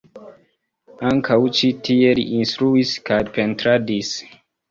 Ankaŭ ĉi tie li instruis kaj pentradis.